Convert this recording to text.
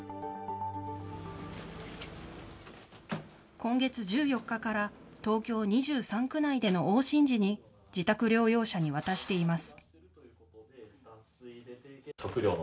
今月１４日から、東京２３区内での往診時に、自宅療養者に渡しています。